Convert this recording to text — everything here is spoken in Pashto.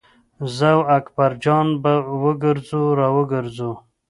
زه او اکبر جان به وګرځو را وګرځو.